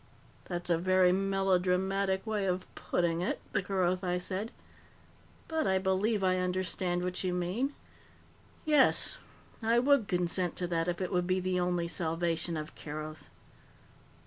"That's a very melodramatic way of putting it," the Kerothi said, "but I believe I understand what you mean. Yes, I would consent to that if it would be the only salvation of Keroth."